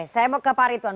saya mau ke pak ritwan